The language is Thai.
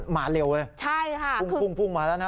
มาเร็วเลยพุ่งมาแล้วนะ